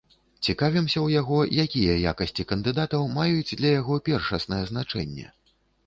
Цікавімся ў яго, якія якасці кандыдатаў маюць для яго першаснае значэнне.